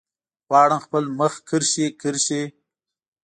غواړم خپل مخ کرښې، کرښې